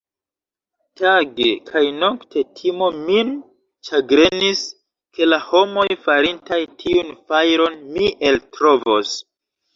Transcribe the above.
Tage kaj nokte timo min ĉagrenis, ke la homoj, farintaj tiun fajron, mi eltrovos.